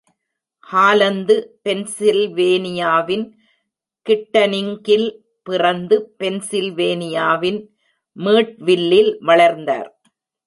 Holland பென்சில்வேனியாவின் கிட்டன்னிங்கில் பிறந்து பென்சில்வேனியாவின் மீட்வில்லில் வளர்ந்தார்.